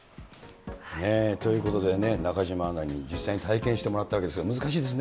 ということでね、中島アナに実際に体験してもらったわけですけれども、難しいです